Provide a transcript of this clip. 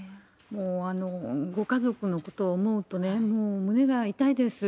もうご家族のことを思うと、もう胸が痛いです。